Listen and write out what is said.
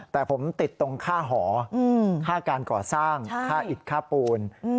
แต่ผมติดตรงค่าหอค่าการก่อสร้างค่าอิดค่าปูน